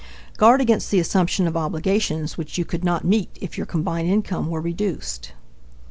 Guard against the assumption of obligations which you could not meet if your combined income were reduced.